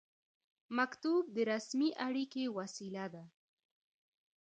مکتوب د رسمي اړیکې وسیله ده